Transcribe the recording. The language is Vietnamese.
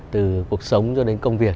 từ cuộc sống cho đến công việc